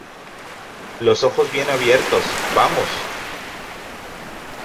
los ojos bien abiertos, ¡ vamos!